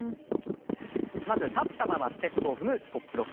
まず立ったままステップを踏むトップロック。